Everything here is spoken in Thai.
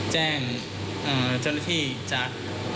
แจ้งเจ้าหน้าที่จาก